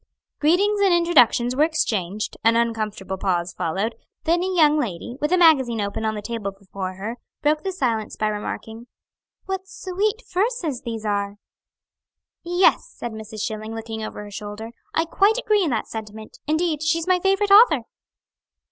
Greetings and introductions were exchanged; an uncomfortable pause followed, then a young lady, with a magazine open on the table before her, broke the silence by remarking: "What sweet verses these are!" "Yes," said Mrs. Schilling, looking over her shoulder, "I quite agree in that sentiment. Indeed, she's my favorite author."